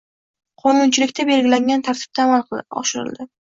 qonunchilikda belgilangan tartibda amalga oshiriladi.